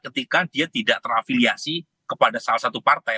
ketika dia tidak terafiliasi kepada salah satu partai